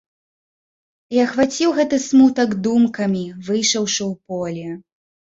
І ахваціў гэты смутак думкамі, выйшаўшы ў поле.